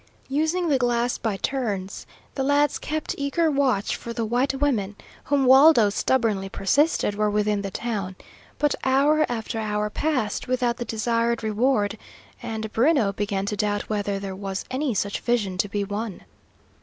Using the glass by turns, the lads kept eager watch for the white women whom Waldo stubbornly persisted were within the town; but hour after hour passed without the desired reward, and Bruno began to doubt whether there was any such vision to be won.